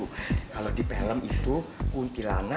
kalau di film itu kuntilanak